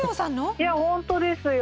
いや本当ですよ。